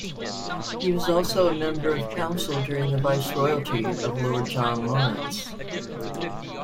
He was also a Member of Council during the Viceroyalty of Lord John Lawrence.